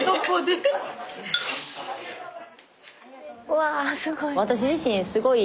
うわすごい。